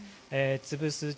つぶす力